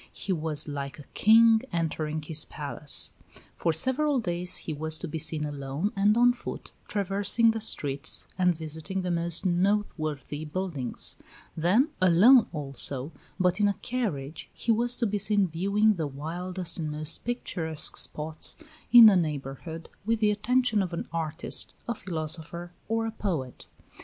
He was like a king entering his palace. For several days he was to be seen alone and on foot, traversing the streets and visiting the most noteworthy buildings; then, alone also, but in a carriage, he was to be seen viewing the wildest and most picturesque spots in the neighborhood, with the attention of an artist, a philosopher, or a poet.